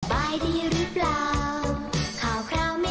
สบายดีหรือเปล่าข่าวข่าวไม่เคยรู้